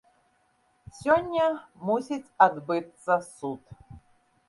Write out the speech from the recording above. Сёння мусіць адбыцца суд.